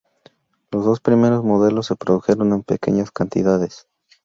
Los dos primeros modelos se produjeron en pequeñas cantidades.